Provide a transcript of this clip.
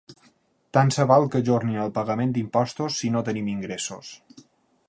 Tant se val que ajornin el pagament d’imposts si no tenim ingressos.